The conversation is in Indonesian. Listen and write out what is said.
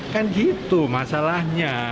kan gitu masalahnya